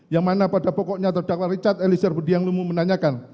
yang mana pada pokoknya terdakwa richard elisir budiang lumu menanyakan